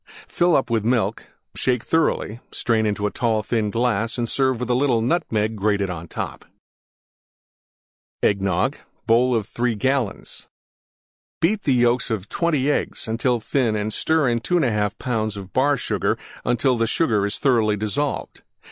Fill up with Milk; shake thoroughly; strain into tall, thin glass and serve with little Nutmeg grated on top. EGGNOG (bowl of 3 gallons) Beat the yolks of 20 Eggs until thin and stir in 2 1/2 lbs. Bar Sugar until Sugar is thoroughly dissolved.